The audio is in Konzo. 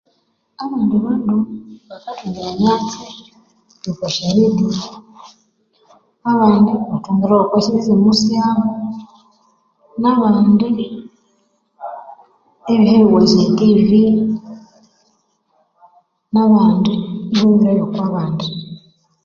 Abandi bandu bakthunga emyatsi okwa sya Rediyo abandi ibathungirayo okwa sya simu syabo nabandi ibihayo okwa sya TV nabandi ibihayo okwa bandi